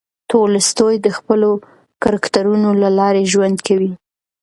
تولستوی د خپلو کرکټرونو له لارې ژوند کوي.